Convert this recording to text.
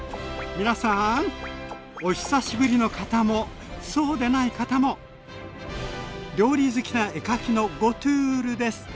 皆さんお久しぶりの方もそうでない方も料理好きな絵描きのゴトゥールです。